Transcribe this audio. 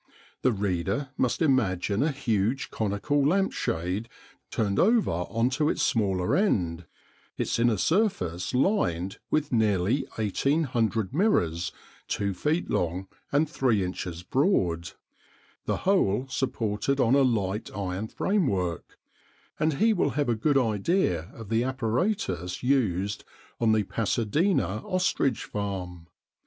The reader must imagine a huge conical lamp shade turned over on to its smaller end, its inner surface lined with nearly 1800 mirrors 2 feet long and 3 inches broad, the whole supported on a light iron framework, and he will have a good idea of the apparatus used on the Pasadena ostrich farm.